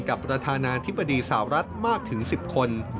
ประธานาธิบดีสาวรัฐมากถึง๑๐คน